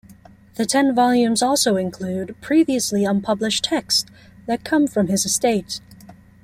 The ten volumes also include previously unpublished texts that come from his estate.